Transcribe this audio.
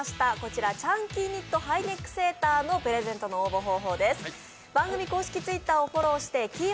先ほどご紹介しましたチャンキーニットハイネックセーターのプレゼントの応募方法です。